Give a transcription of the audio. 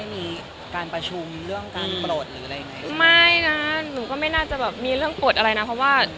เอิ๊ะไงนะนี่หนูก็ไม่น่าจะเป็นว่ามีเรื่องปทอะไรนะ